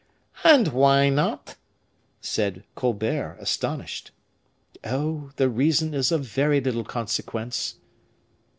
"And why not?" said Colbert, astonished. "Oh! the reason is of very little consequence."